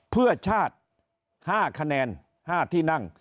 เพื่อชาติ๕ที่นั่ง